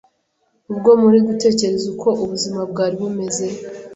ubwo muri gutekereza uko ubuzima bwari bumeze